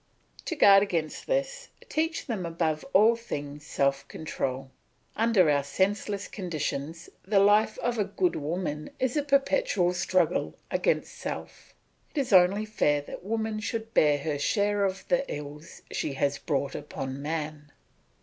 To guard against this, teach them above all things self control. Under our senseless conditions, the life of a good woman is a perpetual struggle against self; it is only fair that woman should bear her share of the ills she has brought upon man.